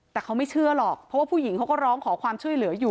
แต่เขาไม่เชื่อหรอกเพราะว่าผู้หญิงเขาก็ร้องขอความช่วยเหลืออยู่